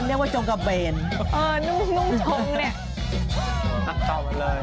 มันเรียกว่าจงกระเบนนุ่มจงเนี่ย